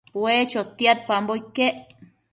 ue chotiadpambo iquec